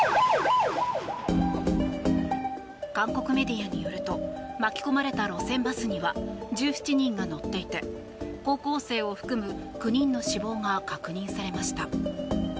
韓国メディアによると巻き込まれた路線バスには１７人が乗っていて高校生を含む９人の死亡が確認されました。